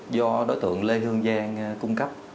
do đối tượng lê hương giang cung cấp